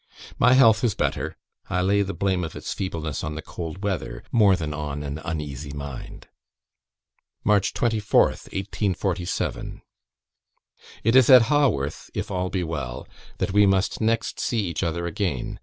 My health is better: I lay the blame of its feebleness on the cold weather, more than on an uneasy mind." "March 24th, 1847. "It is at Haworth, if all be well, that we must next see each other again.